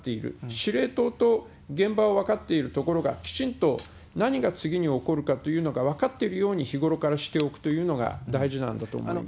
司令塔と現場は分かっているところが、きちんと何が次に起こるかというのが分かっているように日頃からしておくというのが大事なんだと思います。